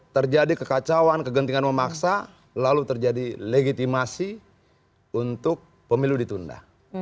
terjadi kekacauan kegentingan memaksa lalu terjadi legitimasi untuk pemilu ditunda